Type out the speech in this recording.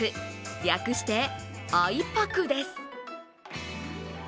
略して、あいぱくです。